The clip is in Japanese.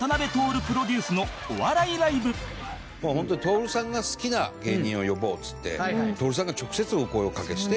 もうホントに徹さんが好きな芸人を呼ぼうっていって徹さんが直接お声をおかけして。